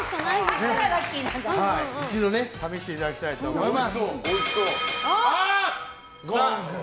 一度、試していただきたいと思います。